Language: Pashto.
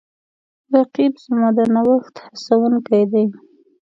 رقیب زما د نوښت هڅونکی دی